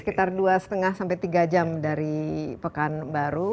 sekitar dua lima sampai tiga jam dari pekanbaru